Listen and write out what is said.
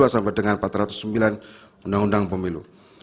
dua sampai dengan empat ratus sembilan undang undang pemilu